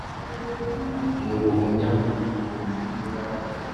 Mu buhumya bwe